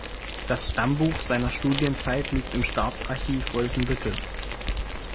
Das Stammbuch seiner Studienzeit liegt im Staatsarchiv Wolfenbüttel.